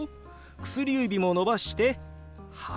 薬指も伸ばして「８」。